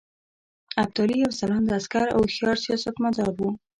ابدالي یو ځلانده عسکر او هوښیار سیاستمدار وو.